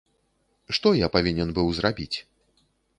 Што я павінен быў зрабіць?